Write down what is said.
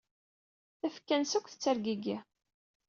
Tafekka-nnes akk tettergigi.